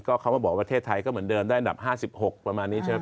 ก็เค้ามาบอกประเทศไทยจะเหมือนเดิมได้อันดับ๕๖ประมาณนี้ใช่ไหมครับ